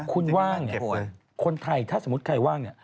คุณว่างคนไทยถ้าสมมุติใครว่าง